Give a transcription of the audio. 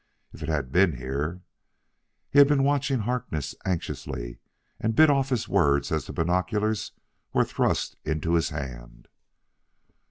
If it had been here !" He had been watching Harkness anxiously; he bit off his words as the binoculars were thrust into his hand.